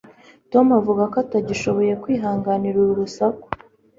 tom avuga ko atagishoboye kwihanganira uru rusaku